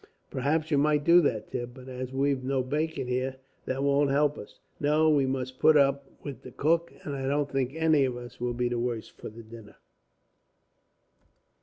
"Perhaps you might do that, Tim, but as we've no bacon here, that won't help us. No, we must put up with the cook, and I don't think any of us will be the worse for the dinner."